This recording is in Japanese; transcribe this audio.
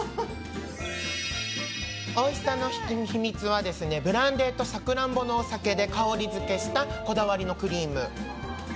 おいしさの秘密はブランデーとサクランボのお酒で香りづけしたこだわりのクリーム。